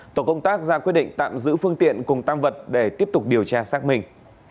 tổ công tác ra quyết định tạm giữ phương tiện cùng tăng vật để tiếp tục điều tra xác minh